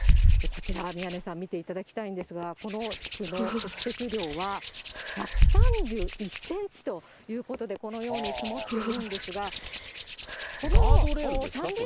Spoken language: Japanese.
こちら、宮根さん、見ていただきたいんですが、この地区の積雪量は１３１センチということで、このように積もっているんですが。